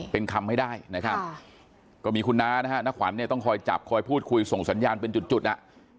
เป็นคำให้ได้นะครับก็มีคุณน้านะฮะน้าขวัญเนี่ยต้องคอยจับคอยพูดคุยส่งสัญญาณเป็นจุดอ่ะ